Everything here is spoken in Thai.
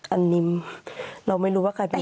อันนี้เราไม่รู้ว่าใครเป็น